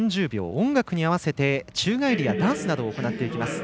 音楽に合わせて宙返りやダンスなどを行っていきます。